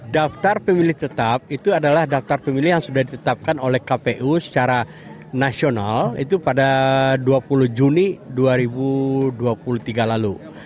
daftar pemilih tetap itu adalah daftar pemilih yang sudah ditetapkan oleh kpu secara nasional itu pada dua puluh juni dua ribu dua puluh tiga lalu